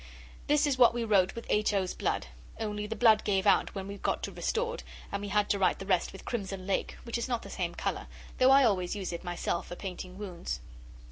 This is what we wrote with H. O.'s blood, only the blood gave out when we got to 'Restored', and we had to write the rest with crimson lake, which is not the same colour, though I always use it, myself, for painting wounds.